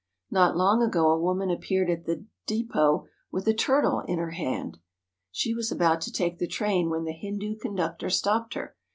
Not long ago a woman appeared at the depot with a turtle in her hand. She was about to take the train when the Hindu conductor stopped her.